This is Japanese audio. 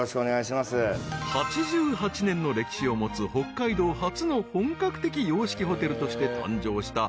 ［８８年の歴史を持つ北海道初の本格的洋式ホテルとして誕生した］